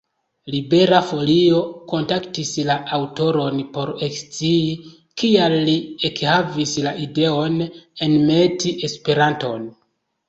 Libera Folio kontaktis la aŭtoron por ekscii, kial li ekhavis la ideon enmeti Esperanton.